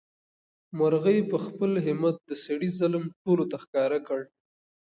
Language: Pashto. مرغۍ په خپل همت د سړي ظلم ټولو ته ښکاره کړ.